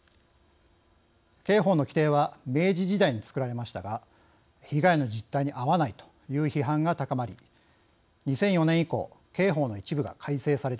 刑法の規定は明治時代に作られましたが被害の実態に合わないという批判が高まり２００４年以降刑法の一部が改正されてきました。